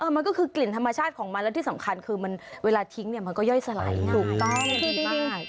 มันก็คือกลิ่นธรรมชาติของมันและที่สำคัญคือเวลาทิ้งเนี่ยมันก็ย่อยสลายไงถูกต้อง